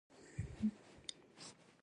د سیمې اقلیم د ځمکې سطحې سره تړاو لري.